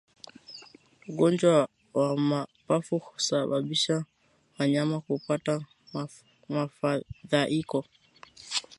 Ugonjwa wa mapafu husababisha wanyama kupata mfadhaiko